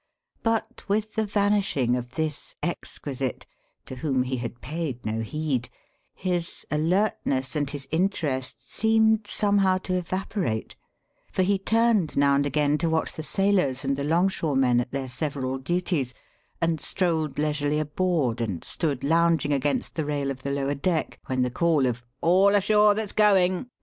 But with the vanishing of this exquisite, to whom he had paid no heed, his alertness and his interest seemed somehow to evaporate; for he turned now and again to watch the sailors and the longshoremen at their several duties, and strolled leisurely aboard and stood lounging against the rail of the lower deck when the call of "All ashore that's going!"